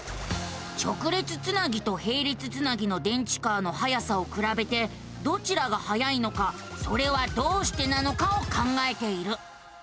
直列つなぎとへい列つなぎの電池カーのはやさをくらべてどちらがはやいのかそれはどうしてなのかを考えている。